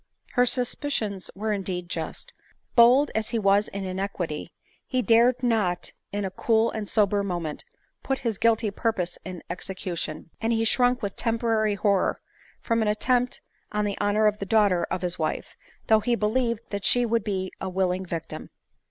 Her suspicions were indeed just. Bold as he was in iniquity, he dared not in a cool rind sober moment put his guilty purpose in execution ; and he shrunk with temporary horror from an attempt on the honor of the daughter of his wife, though he believed that she would be a willing victim.